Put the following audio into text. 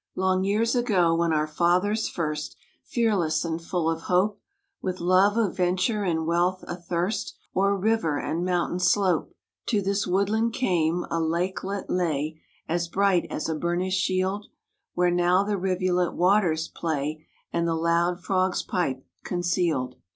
Long years ago when our fathers first, Fearless and full of hope, With love of venture and wealth athirst, O'er river and mountain slope, To this woodland came, a lakelet lay As bright as a burnished shield, Where now the rivulet waters play, And the loud frogs pipe, concealed.